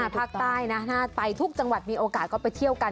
ภาคใต้นะถ้าไปทุกจังหวัดมีโอกาสก็ไปเที่ยวกัน